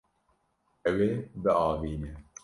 Ew ê biavîne.